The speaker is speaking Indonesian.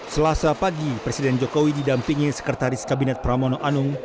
selasa pagi presiden jokowi didampingi sekretaris kabinet pramono anung